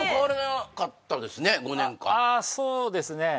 そうですねああ